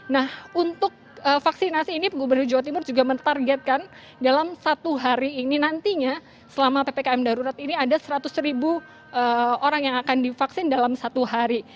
nah untuk vaksinasi ini gubernur jawa timur juga menargetkan dalam satu hari ini nantinya selama ppkm darurat ini ada seratus ribu orang yang akan divaksin dalam satu hari